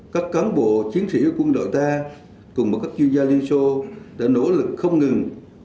các cán bộ chiến sĩ quân đội ta cùng với các chuyên gia liên xô đã nỗ lực không ngừng